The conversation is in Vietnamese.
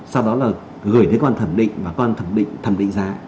sau đó là gửi đến con thẩm định và con thẩm định giá